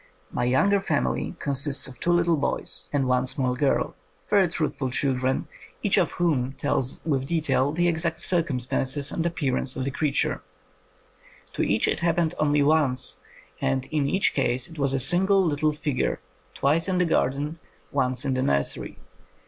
My younger family consists of two little boys 127 THE COMING OF THE FAIRIES and one small girl, very truthful children, each of whom tells with detail the exact circumstances and appearance of the crea ture. To each it happened only once, and in each case it was a single little figure, twice in the garden, once in the nursery.